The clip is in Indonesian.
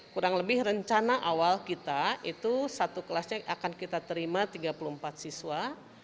kurang lebih rencana awal kita itu satu kelasnya akan kita terima tiga puluh empat siswa